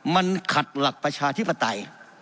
มันขัดหลักประชาธิปไตย